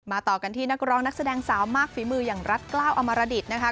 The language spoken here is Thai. ต่อกันที่นักร้องนักแสดงสาวมากฝีมืออย่างรัฐกล้าวอมรดิตนะคะ